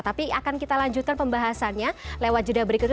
tapi akan kita lanjutkan pembahasannya lewat judah berikutnya